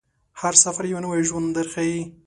هر سفر یو نوی ژوند درښيي.